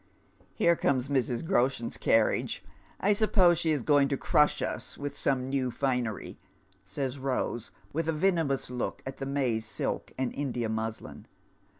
" Here comes Mrs. Groshen's carriage. I suppose she is going to crush us with some new finery," says Eose, %vith a venomous look at the maize silk and India muslin.